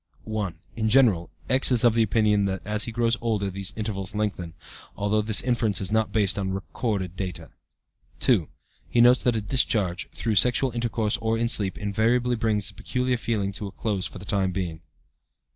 "1. In general, X. is of the opinion that as he grows older these intervals lengthen, though this inference is not based on recorded data. "2. He notes that a discharge (through sexual intercourse or in sleep) invariably brings the peculiar feeling to a close for the time being.